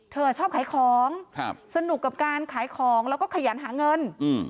เธอชอบขายของครับสนุกกับการขายของแล้วก็ขยันหาเงิน